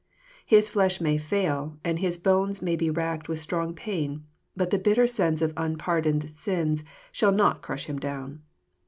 His fiesh may fail, and his bones may be racked with strong pain ; but the bitter sense of unpardoned sins shall not crush him down.